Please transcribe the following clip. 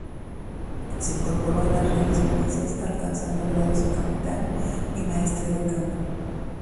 Se incorporó a las reales milicias, alcanzando grados de capitán y maestre de campo.